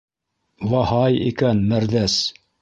— Ваһай икән, мәрҙәс!